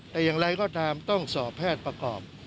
แต่อย่างไรก็ตามต้องสอบแพทย์ประกอบ